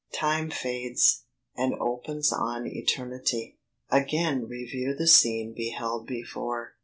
Time fades, and opens on eternity. Again review the scene beheld before.